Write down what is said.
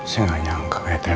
seenggaknya angga petri